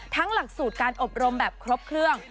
หลักสูตรการอบรมแบบครบเครื่อง